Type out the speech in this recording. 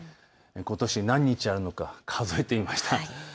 ことし何日あるのか数えてみました。